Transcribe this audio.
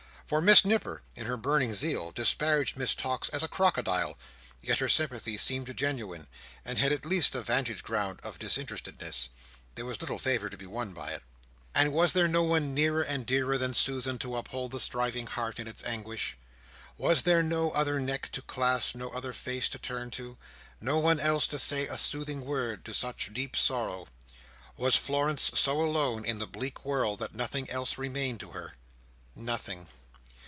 For Miss Nipper, in her burning zeal, disparaged Miss Tox as a crocodile; yet her sympathy seemed genuine, and had at least the vantage ground of disinterestedness—there was little favour to be won by it. And was there no one nearer and dearer than Susan, to uphold the striving heart in its anguish? Was there no other neck to clasp; no other face to turn to? no one else to say a soothing word to such deep sorrow? Was Florence so alone in the bleak world that nothing else remained to her? Nothing.